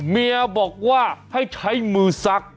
เมียบอกว่าให้ใช้มือซัก